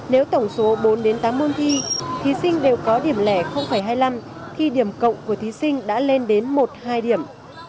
nếu tổng số bốn đến tám môn thi thí sinh đều có điểm lẻ hai mươi năm khi điểm cộng của thí sinh đã lên đến một hai điểm